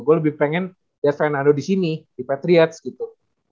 gue lebih pengen liat fernando disini di patriots gitu